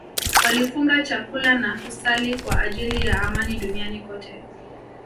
Walifunga chakula na kusali kwa ajili ya amani duniani kote